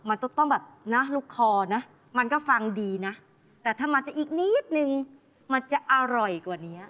มันต้องแบบนะลูกคอนะมันก็ฟังดีนะแต่ถ้ามันจะอีกนิดนึงมันจะอร่อยกว่านี้